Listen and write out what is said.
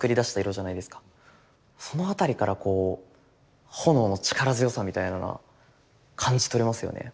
その辺りからこう炎の力強さみたいなのは感じ取れますよね。